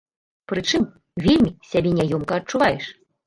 Прычым, вельмі сябе няёмка адчуваеш.